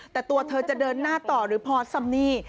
แต่ตัวเธอจะเดินหน้าต่อหรือพอซ้ำนี่